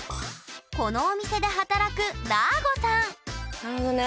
このお店で働くだーごさんなるほどね。